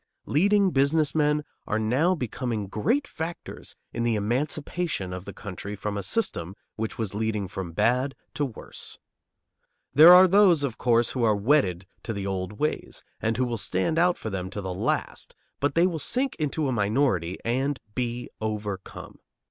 Leading business men are now becoming great factors in the emancipation of the country from a system which was leading from bad to worse. There are those, of course, who are wedded to the old ways and who will stand out for them to the last, but they will sink into a minority and be overcome.